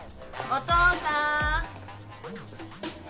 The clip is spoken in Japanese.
お父さん。